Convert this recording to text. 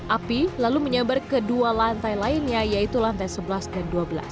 api lalu menyebar ke dua lantai lainnya yaitu lantai sebelas dan dua belas